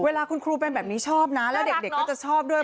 เวลาคุณครูเป็นแบบนี้ชอบนะแล้วเด็กก็จะชอบด้วย